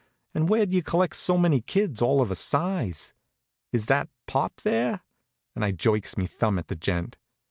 And where'd you collect so many kids all of a size? Is that pop, there?" and I jerks me thumb at the gent.